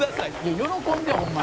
「喜んでよホンマに」